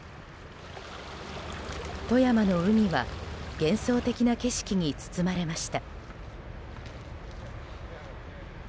富山の海は幻想的な景色に包まれました。